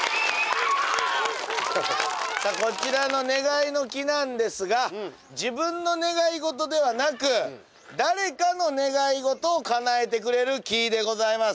こちらの願いの木なんですが自分の願い事ではなく誰かの願い事をかなえてくれる木でございます。